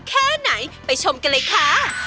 แค่ไหนไปชมกันเลยค่ะ